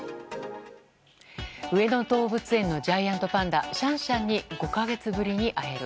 上野動物園のジャイアントパンダシャンシャンに５か月ぶりに会える。